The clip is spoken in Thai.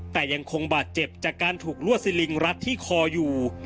แต่ยังคงบาดเจ็บจากการถูกลวดซิลิงรัดที่คออยู่